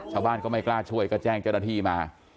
ชาวบ้านก็ไม่กล้าช่วยก็แจ้งเจ้าหน้าที่มา